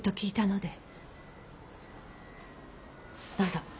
どうぞ。